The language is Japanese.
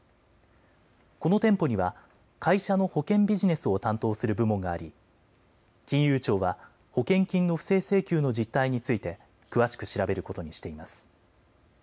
この店舗には会社の保険ビジネスを担当する部門があり金融庁は保険金の不正請求の実態について詳しく調べることにしています。